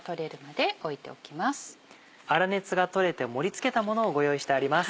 粗熱が取れて盛り付けたものをご用意してあります。